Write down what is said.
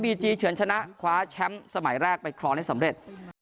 จีเฉินชนะคว้าแชมป์สมัยแรกไปครองได้สำเร็จ